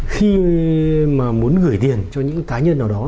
khi mà muốn gửi tiền cho những cá nhân nào đó